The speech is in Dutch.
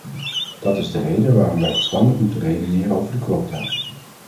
Dat is de reden waarom wij verstandig moeten redeneren over quota.